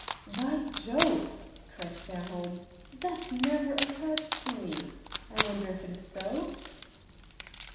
"By Jove!" cried Fairholme, "that never occurred to me. I wonder if it is so?"